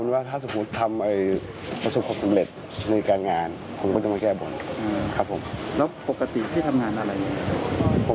ไว้ซ่วยเด็กคนในนี้ก็ก็ได้ยินเสียงแบบเปิดอะไรแบบนี้ครับ